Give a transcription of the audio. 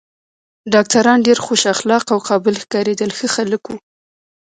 ډاکټران ډېر خوش اخلاقه او قابل ښکارېدل، ښه خلک و.